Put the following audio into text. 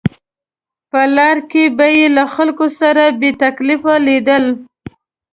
په لاره کې به یې له خلکو سره بې تکلفه لیدل.